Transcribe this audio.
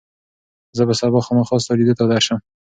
زه به سبا خامخا ستا لیدو ته درشم.